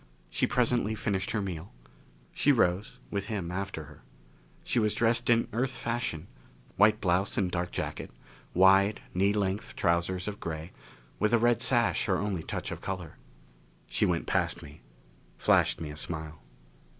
She presently finished her meal. She rose, with him after her. She was dressed in Earth fashion white blouse and dark jacket, wide, knee length trousers of gray, with a red sash her only touch of color. She went past me, flashed me a smile.